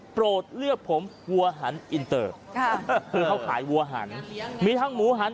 โปรดเลือกผมวัวหันอินเตอร์ค่ะคือเขาขายวัวหันมีทั้งหมูหัน